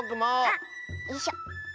あっよいしょ。